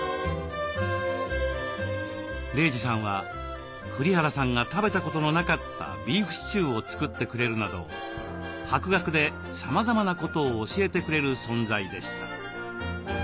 玲児さんは栗原さんが食べたことのなかったビーフシチューを作ってくれるなど博学でさまざまなことを教えてくれる存在でした。